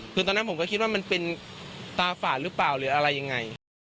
คือตอนนั้นผมก็คิดว่ามันเป็นตาฝาดหรือเปล่าหรืออะไรยังไง